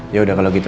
ya udah kalau gitu